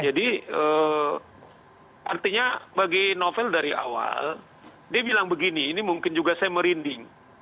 jadi artinya bagi novel dari awal dia bilang begini ini mungkin juga saya merinding